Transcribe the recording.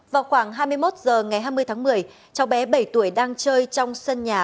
vào khoảng hai mươi một h ngày hai mươi tháng một mươi cháu bé bảy tuổi đang chơi trong sân nhà